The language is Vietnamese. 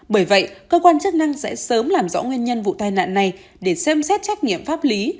bởi vậy cơ quan chức năng sẽ sớm làm rõ nguyên nhân vụ tai nạn này để xem xét trách nhiệm pháp lý